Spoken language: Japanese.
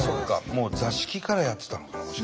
もう座敷からやってたのか。